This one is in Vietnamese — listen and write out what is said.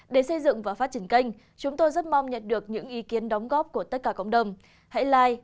hãy theo dõi những video tiếp theo của kênh youtube báo sức khỏe và đời sống các bạn nhé